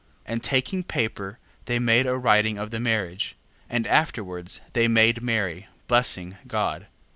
And taking paper they made a writing of the marriage. 7:17. And afterwards they made merry, blessing God. 7:18.